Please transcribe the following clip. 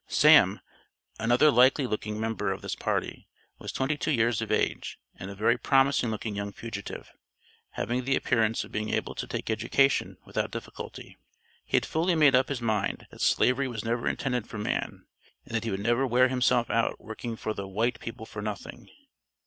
Sam, another likely looking member of this party, was twenty two years of age, and a very promising looking young fugitive, having the appearance of being able to take education without difficulty. He had fully made up his mind, that slavery was never intended for man, and that he would never wear himself out working for the "white people for nothing."